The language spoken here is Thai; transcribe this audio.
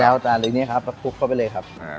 แล้วแต่ลุยนี้ครับแล้วคลุกเข้าไปเลยครับ